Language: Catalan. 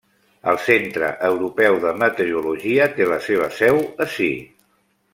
El Centre Europeu de Meteorologia té la seva seu ací.